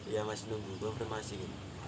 iya masih nunggu gue berharap masih